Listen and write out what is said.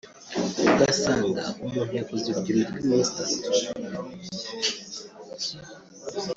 ugasanga umuntu yakoze urugendo rw’iminsi itatu